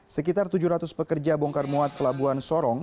sekitar tujuh ratus pekerja bongkar muat pelabuhan sorong